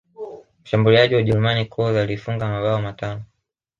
mshambuliaji wa ujerumani klose aliifunga mabao matano